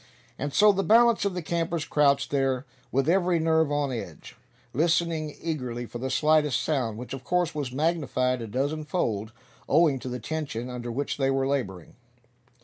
And so the balance of the campers crouched there, with every nerve on edge, listening eagerly for the slightest sound, which of course was magnified a dozen fold, owing to the tension under which they were laboring.